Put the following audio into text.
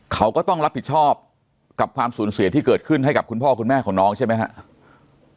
เขาก็ต้องรับผิดชอบกับความสูญเสียที่เกิดขึ้นให้กับคุณพ่อคุณแม่ของน้องใช่ไหมครับ